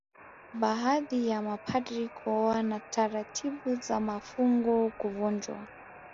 Baadhi ya mapadri kuoa na taratibu za mafungo kuvunjwa